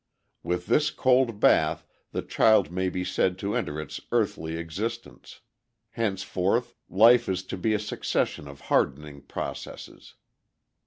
With this cold bath the child may be said to enter its earthly existence. Henceforth life is to be a succession of hardening processes.